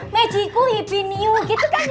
magicu hipiniu gitu kan